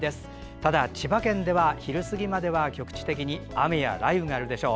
ただ、千葉県では昼過ぎまでは局地的に雨や雷雨があるでしょう。